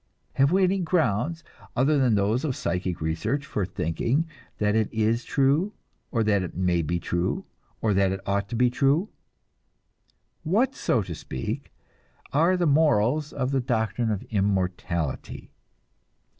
Have we any grounds, other than those of psychic research, for thinking that it is true, or that it may be true, or that it ought to be true? What, so to speak, are the morals of the doctrine of immortality?